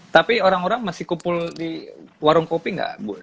tapi orang orang masih kumpul di warung kopi nggak bu